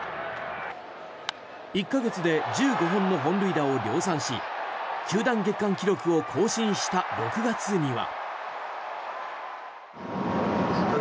１か月で１５本の本塁打を量産し球団月間記録を更新した６月には。